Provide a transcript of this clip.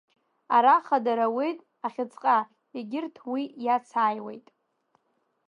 Ара хадара ауеит ахьыӡҟа, егьырҭ уи иацаауеит…